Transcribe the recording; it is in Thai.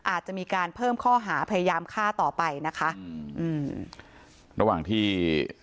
อาจจะมีการเพิ่มข้อหาพยายามฆ่าต่อไปนะคะอืมอืมระหว่างที่